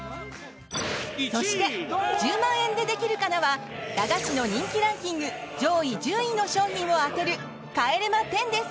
そして「１０万円でできるかな」は駄菓子の人気ランキング上位１０位の商品を当てる帰れま１０です。